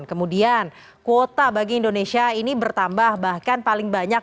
kemudian kuota bagi indonesia ini bertambah bahkan paling banyak